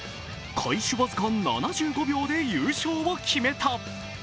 開始僅か７５秒で優勝を決めた。